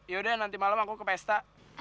yaudah nanti malam aku ke pesta